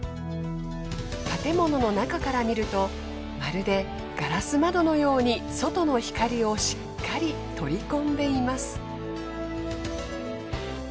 建物の中から見るとまるでガラス窓のように外の光をしっかり取り込んでいます。